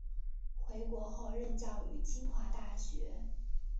回国后任教于清华大学。